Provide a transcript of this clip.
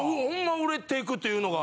売れていくというのが。